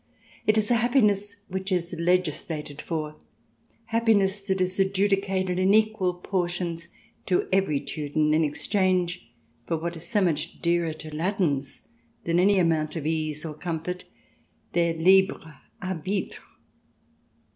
It is a hap piness which is legislated for, happiness that is adjudicated in equal portions to every Teuton in exchange for what is so much dearer to Latins than any amount of ease or comfort — their libre arbitre.